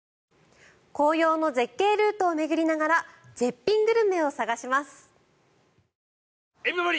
紅葉の絶景ルートを巡りながら絶品グルメを探します。